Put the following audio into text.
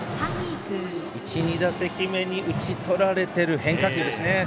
１、２打席目に打ち取られてる変化球ですね。